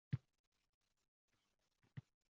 «Bu ablahning oldiga meni kim boshlab bordi?